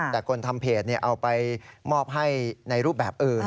แต่คนทำเพจเอาไปมอบให้ในรูปแบบอื่น